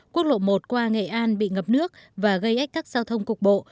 quốc lộ một qua nghệ an bị ngập nước và gây ếch các giao thông cục bộ